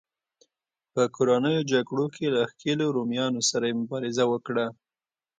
په کورنیو جګړو کې له ښکېلو رومیانو سره یې مبارزه وکړه